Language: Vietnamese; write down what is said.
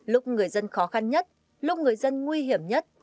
lúc người dân khó khăn nhất lúc người dân nguy hiểm nhất